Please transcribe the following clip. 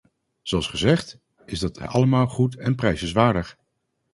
Zoals gezegd, is dat allemaal goed en prijzenswaardig.